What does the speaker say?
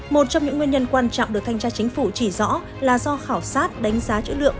một trong những nguyên nhân quan trọng được thanh tra chính phủ chỉ rõ là do khảo sát đánh giá chữ lượng